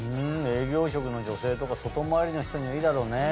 営業職の女性とか外回りの人にいいだろうね。